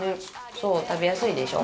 そう、食べやすいでしょ？